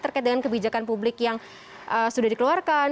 terkait dengan kebijakan publik yang sudah dikeluarkan